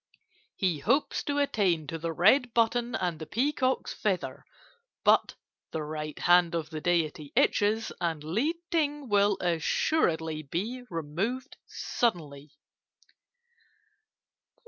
"'He hopes to attain to the Red Button and the Peacock's Feather; but the right hand of the Deity itches, and Li Ting will assuredly be removed suddenly.